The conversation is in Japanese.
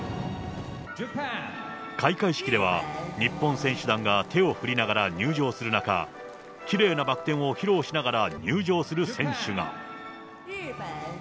開会式では日本選手団が手を振りながら入場する中、きれいなバク転を披露しながら入場する選手が。